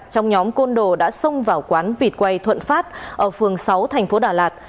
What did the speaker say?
trong nhóm côn đồ đã xông vào quán vịt quay thuận phát ở phường sáu thành phố đà lạt